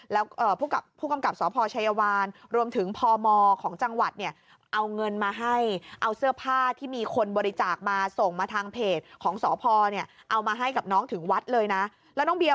และผู้กำกับสพชายวันรวมถึงพมของจังหวัดเนี่ย